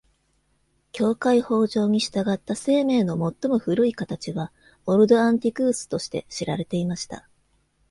教会法上に従った生命の最も古い形は「オルドアンティクウス」として知られていました。